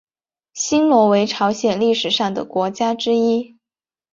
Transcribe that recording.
新罗为朝鲜历史上的国家之一。